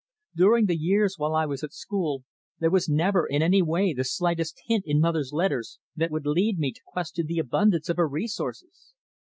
During the years while I was at school, there was never, in any way, the slightest hint in mother's letters that would lead me to question the abundance of her resources.